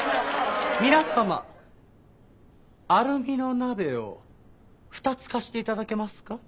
皆様アルミの鍋を２つ貸して頂けますか？